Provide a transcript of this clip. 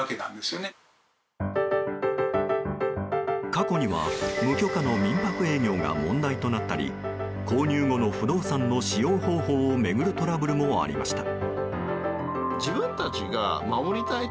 過去には、無許可の民泊営業が問題となったり購入後の不動産の使用方法を巡るトラブルもありました。